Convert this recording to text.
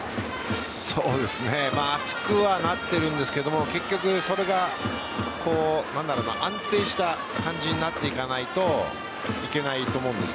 そうですね厚くはなっているんですが結局、それが安定した感じになっていかないといけないと思うんです